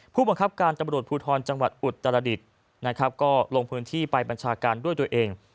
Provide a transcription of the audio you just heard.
ผู้บังคับการตำบลตรภูทรจังหวัดอุตตรรดิษฐ์ลงพื้นที่ไปบรรชาการด้วยตัวเอง